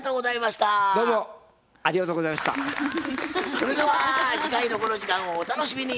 それでは次回のこの時間をお楽しみに。